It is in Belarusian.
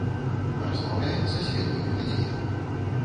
Размаўляем са сведкамі падзеяў.